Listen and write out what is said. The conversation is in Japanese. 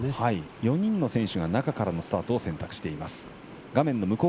４人の選手が中からのスタートを選択しています。